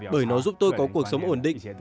bởi nó giúp tôi có cuộc sống ổn định